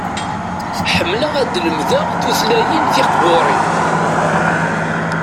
Ḥemmleɣ ad lemdeɣ tutlayin tiqbuṛin.